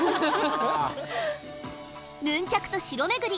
ヌンチャクと城巡り。